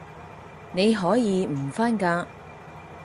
你可以唔返㗎